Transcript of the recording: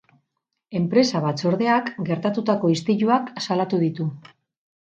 Enpresa batzordeak gertatutako istiluak salatu ditu.